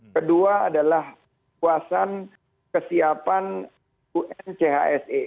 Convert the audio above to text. kedua adalah puasan kesiapan unchse